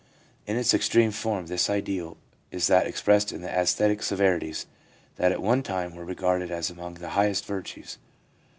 In its extreme form this ideal is that expressed in the ascetic severities that at one time were regarded as among the highest virtues.